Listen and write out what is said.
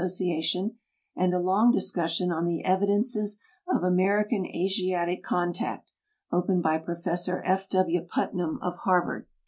socia tion, and a long discussion on the Evidences of American Asiatic Contact, opened by Prof. F. W. Putnam, of Harvard.